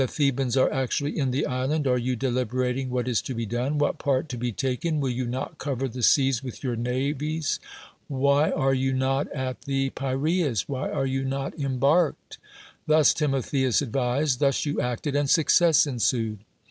Thebans are actiuilly in the island, are you deliberating what is to be done? what part to be taken? Will you not cover the seas with your navies? Why are you not at the 141 THE WORLD'S FAMOUS ORATIONS Piraeus? why are you not embarked?" Thus Timotheus advised; thus you acted, and success ensued.